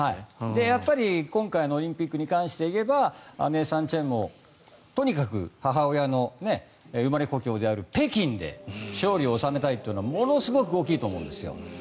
やっぱり、今回のオリンピックに関して言えばネイサン・チェンもとにかく母親の生まれ故郷である北京で勝利を収めたいというのがものすごく大きいと思うんです。